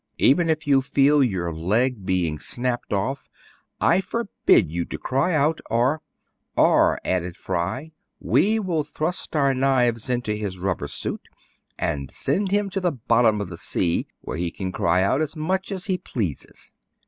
"Even if you feel your leg being snapped off, I forbid you to cry out, or "— "Or," added Fry, "we will thrust our knives into his rubber suit, and send him to the bottom of the sea, where he can cry out as much as he pleases."